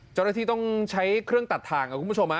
เจ้าหน้าที่ต้องใช้เครื่องตัดทางครับคุณผู้ชม